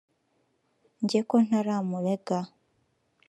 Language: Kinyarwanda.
Njye ko ntaramurega